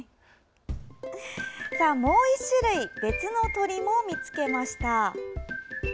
もう１種類別の鳥も見つけました。